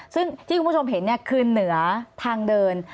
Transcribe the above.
ซึ่งที่คุณผู้ชมเห็นคือเหนือทางเดิน